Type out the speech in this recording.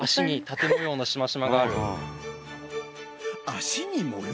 脚に模様？